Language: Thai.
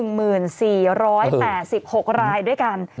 ๑หมื่น๔๘๖รายด้วยกัน